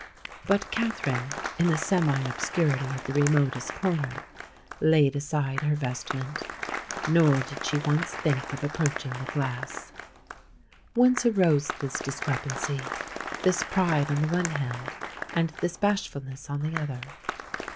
But Katherine, in the semi obscurity of the remotest corner, laid aside her vestment; nor did she once think of approaching the glass. Whence arose this discrepancy,—this pride on the one hand, and this bashfulness on the other?